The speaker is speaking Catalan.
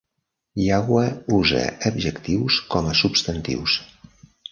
Yagua usa adjectius com a substantius.